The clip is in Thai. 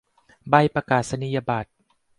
ใบประกาศนียบัตร